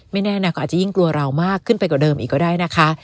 แน่นะก็อาจจะยิ่งกลัวเรามากขึ้นไปกว่าเดิมอีกก็ได้นะคะ